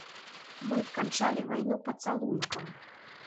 Мы канчалі вайну пацалункам.